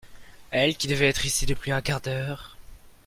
Elle qui devait être ici depuis un quart d'heure…